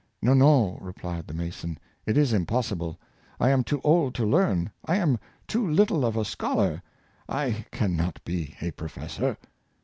" No, no! " replied the mason, "it is impossible; I am too old to learn; I am too little of a scholar; I can not be a professor."